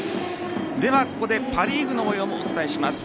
では、ここでパ・リーグの模様もお伝えします。